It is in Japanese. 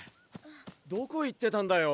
どこ行ってたんだよ！？